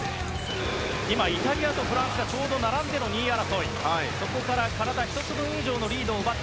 イタリアとフランスが並んでの２位争い。